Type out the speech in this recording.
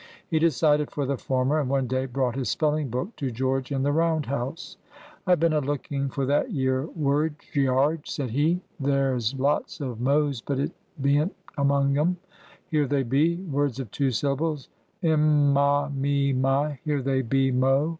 He decided for the former, and one day brought his spelling book to George in the round house. "I've been a looking for that yere word, Gearge," said he. "There's lots of Mo's, but it bean't among 'em. Here they be. Words of two syllables; M, Ma, Me, Mi; here they be, Mo."